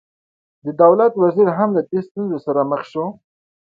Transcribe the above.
د دولت وزیر هم له دې ستونزې سره مخ شو.